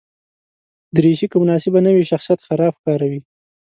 دریشي که مناسبه نه وي، شخصیت خراب ښکاروي.